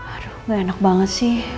aduh gak enak banget sih